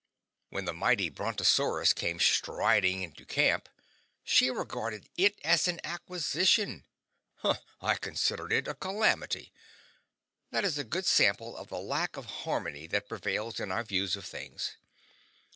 When the mighty brontosaurus came striding into camp, she regarded it as an acquisition, I considered it a calamity; that is a good sample of the lack of harmony that prevails in our views of things.